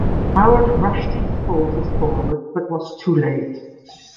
Howard rushed his forces forward, but was too late.